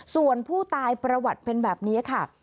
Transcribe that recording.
ส่วนผู้ตายประวัติเป็นแบบนี้ค่ะ